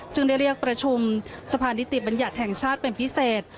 ซึ่งได้เรียกประชุมสะพานิติบัญญัติแห่งชาติเป็นพิเศษ